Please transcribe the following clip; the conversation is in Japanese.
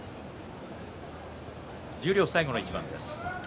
十両最後の一番です。